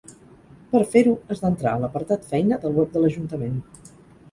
Per fer-ho has d'entrar a l'apartat "feina" del web de l'ajuntament.